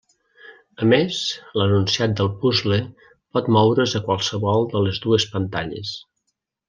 A més, l'enunciat del puzle pot moure's a qualsevol de les dues pantalles.